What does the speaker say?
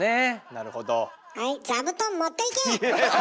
なるほど。